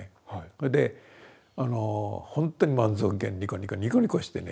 それでほんとに満足げにニコニコニコニコしてね。